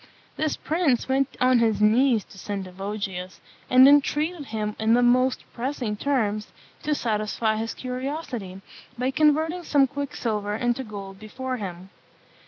This prince went on his knees to Sendivogius, and entreated him in the most pressing terms to satisfy his curiosity, by converting some quicksilver into gold before him.